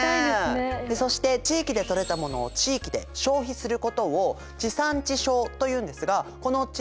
そして地域でとれたものを地域で消費することを地産地消と言うんですがこの地産地消の大切さが